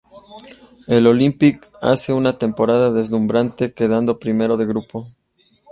El Olímpic hace una temporada deslumbrante quedando primero de grupo.